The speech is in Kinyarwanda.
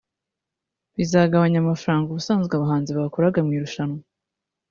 bizagabanya amafaranga ubusanzwe aba bahanzi bakuraga muri iri rushanwa